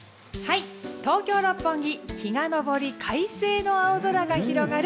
東京・六本木日が昇り快晴の青空が広がる